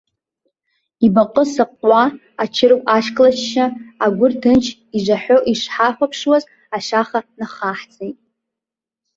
Ибаҟы-саҟуа, ачыргә ашьклашьшьы, агәы рҭынч ижаҳәо ишҳахәаԥшуаз, ашаха нахаҳҵеит.